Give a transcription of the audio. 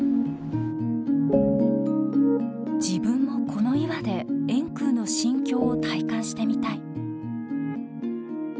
自分もこの岩で円空の心境を体感してみたい。